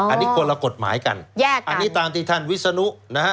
อันนี้คนละกฎหมายกันแยกกันอันนี้ตามที่ท่านวิศนุนะฮะ